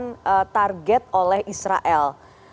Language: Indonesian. dan target oleh israel